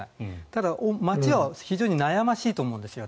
ただ、町は非常に悩ましいと思うんです。